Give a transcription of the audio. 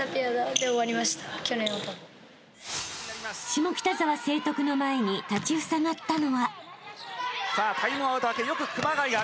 ［下北沢成徳の前に立ちふさがったのは］